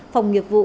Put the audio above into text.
phòng nghiệp vụ